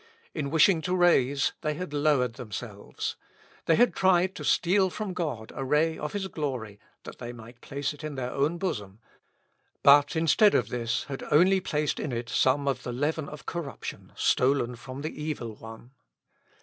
In wishing to raise, they had lowered themselves. They had tried to steal from God a ray of his glory, that they might place it in their own bosom; but, instead of this, had only placed in it some of the leaven of corruption, stolen from the Evil one.